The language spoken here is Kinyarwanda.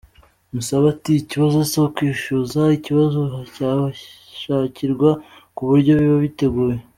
Musabe ati” Ikibazo si ukwishyuza, ikibazo cyashakirwa kuburyo biba biteguye.